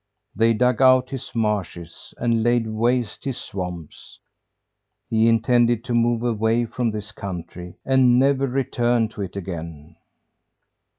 They dug out his marshes and laid waste his swamps. He intended to move away from this country, and never return to it again.